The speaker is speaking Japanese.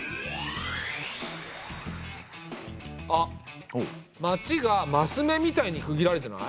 あっ町がマス目みたいに区切られてない？